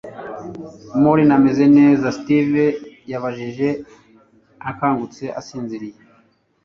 maureen, umeze neza? steve yabajije, akangutse asinziriye